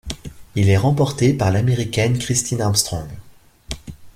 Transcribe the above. Il est remporté par l'Américaine Kristin Armstrong.